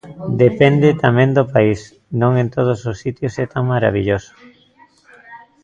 Depende tamén do país, non en todos os sitios é tan marabilloso.